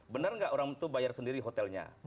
benar nggak orang itu bayar sendiri hotelnya